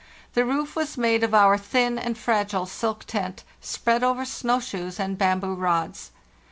The roof was made of our thin and fragile silk tent, spread over snow shoes and bamboo rods.